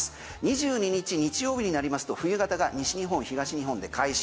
２２日、日曜日になりますと冬型が西日本、東日本で解消。